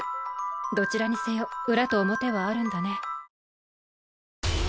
どちらにせよ裏と表はあるんだね。